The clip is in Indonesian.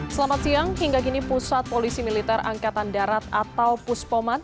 selamat siang hingga kini pusat polisi militer angkatan darat atau puspoman